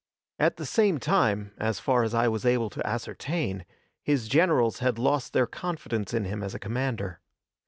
At the same time, as far as I was able to ascertain, his generals had lost their confidence in him as a commander.